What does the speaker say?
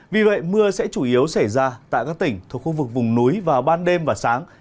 vì vậy mưa sẽ chủ yếu xảy ra tại các tỉnh thuộc khu vực vùng núi vào ban đêm và sáng